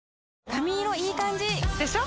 髪色いい感じ！でしょ？